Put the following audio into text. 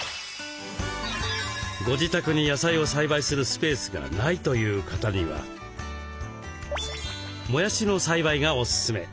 ご自宅に野菜を栽培するスペースがないという方にはもやしの栽培がおすすめ。